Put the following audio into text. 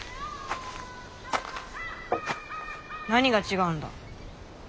何が違うんだ？